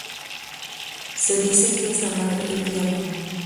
Se dice que es la madre del diablo.